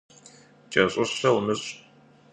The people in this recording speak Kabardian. Кӏэщӏыщэ умыщӏ.